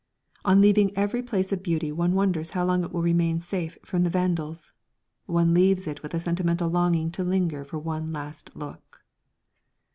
On leaving every place of beauty one wonders how long it will remain safe from the Vandals one leaves it with a sentimental longing to linger for "one last look."